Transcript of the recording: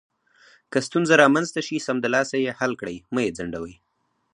که ستونزه رامنځته شي، سمدلاسه یې حل کړئ، مه یې ځنډوئ.